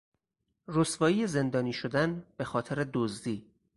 رسوایی زندانی شدن به خاطر دزدی